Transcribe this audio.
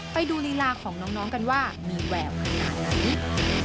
ไปดูลีลาของน้องกันว่ามีแววขนาดไหน